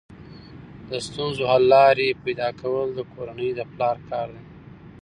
د ستونزو حل لارې پیدا کول د کورنۍ د پلار کار دی.